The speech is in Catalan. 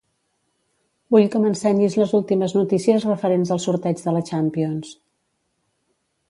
Vull que m'ensenyis les últimes notícies referents al sorteig de la Champions.